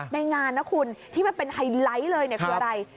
ในงานนะคุณที่มันเป็นไฮไลท์เลยคืออะไร